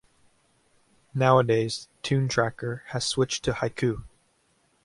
Nowadays TuneTracker has switched to Haiku.